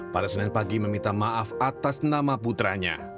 pada senin pagi meminta maaf atas nama putranya